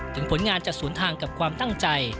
ถึงผลงานจะสวนทางกับความตั้งใจ